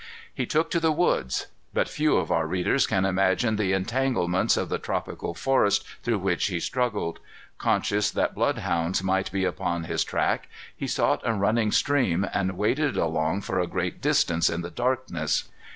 He took to the woods. But few of our readers can imagine the entanglements of the tropical forest through which he struggled. Conscious that blood hounds might be put upon his track, he sought a running stream, and waded along for a great distance in the darkness.